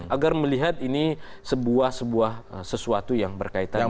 agar melihat ini sebuah sesuatu yang berkaitan dengan